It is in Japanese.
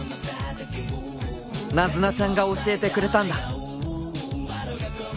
［ナズナちゃんが教えてくれたんだ］